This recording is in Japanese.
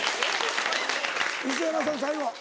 磯山さん最後。